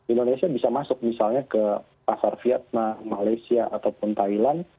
indonesia bisa masuk misalnya ke pasar vietnam malaysia ataupun thailand